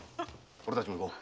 俺たちも行こう。